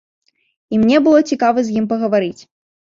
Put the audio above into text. І мне было цікава з ім пагаварыць.